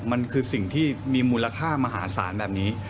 มันคือสิ่งที่มีมูลค่ามหาศาลแบบนี้